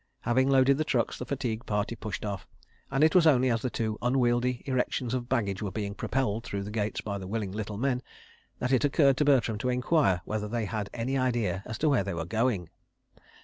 Having loaded the trucks, the fatigue party pushed off, and it was only as the two unwieldy erections of baggage were being propelled through the gates by the willing little men, that it occurred to Bertram to enquire whether they had any idea as to where they were going.